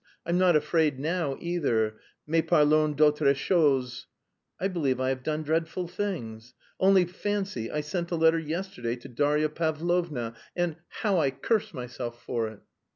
I'm not afraid now either. Mais parlons d'autre chose.... I believe I have done dreadful things. Only fancy, I sent a letter yesterday to Darya Pavlovna and... how I curse myself for it!"